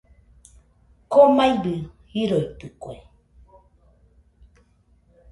Komaibɨ riroitɨkue.